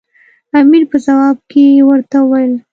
امیر په ځواب کې ورته وویل.